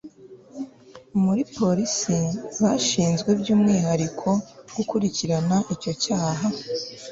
muri polisi bashinzwe by'umwihariko gukurikirana icyo cyaha